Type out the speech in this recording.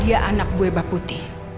dia anak bueba putih